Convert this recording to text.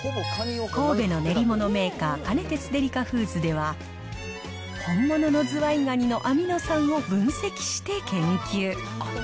神戸の練り物メーカー、カネテツデリカフーズでは、本物のズワイガニのアミノ酸を分析して研究。